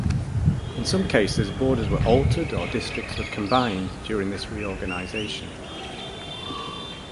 In some cases, borders were altered or districts were combined during this reorganisation.